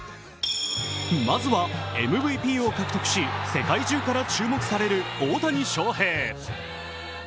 まずはＭＶＰを獲得し、世界中から注目される大谷翔平。